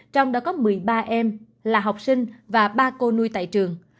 trong đó có một mươi ba em là học sinh và ba cô nuôi tại trường